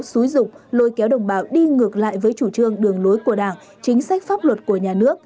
xúi dục lôi kéo đồng bào đi ngược lại với chủ trương đường lối của đảng chính sách pháp luật của nhà nước